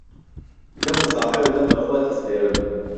دهم و ساحێو دهم به خوهت ئهسپێرم